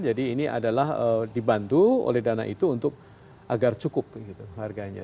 jadi ini adalah dibantu oleh dana itu untuk agar cukup gitu harganya